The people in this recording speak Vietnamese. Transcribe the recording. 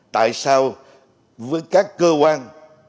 tại sao với các cơ quan